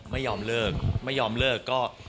ไม่ยอมเลิกไม่ยอมเลิกก็